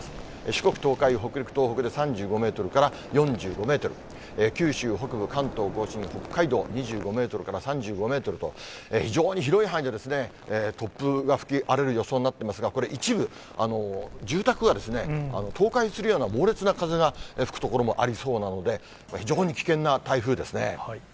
四国、東海、北陸、東北で３５メートルから４５メートル、九州北部、関東甲信、北海道２５メートルから３５メートルと、非常に広い範囲で、突風が吹き荒れる予想になってますが、これ、一部、住宅が倒壊するような猛烈な風が吹く所もありそうなので、非常に危険な台風ですね。